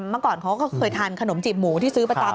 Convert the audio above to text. เมื่อก่อนเขาก็เคยทานขนมจีบหมูที่ซื้อประจำ